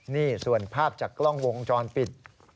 นี่ส่วนภาพจากกล้องวงจรปิด